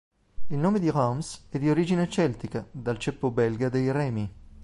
Il nome di Reims è di origine celtica, dal ceppo belga dei Remi.